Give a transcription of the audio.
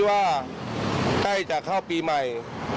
ว่าเป็นคงไม่ให้บรรที